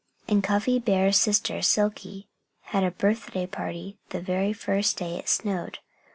And Cuffy Bear's sister Silkie had had a birthday party the very first day it snowed.